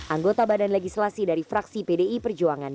anggota badan legislasi dari fraksi pdi perjuangan